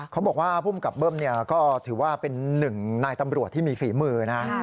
เขาบอกว่าภูมิกับเบิ้มก็ถือว่าเป็นหนึ่งนายตำรวจที่มีฝีมือนะ